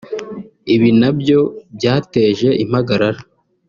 ibi nabyo byateje impagarara